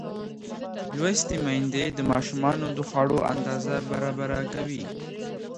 لوستې میندې د ماشومانو د خوړو اندازه برابره کوي.